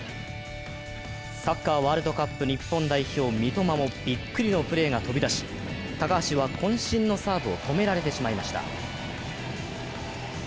サッカー、ワールドカップ日本代表三笘もびっくりのプレーが飛び出し高橋はこん身のサーブを止められてしまいました。